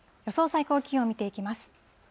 最高気温見ていきます。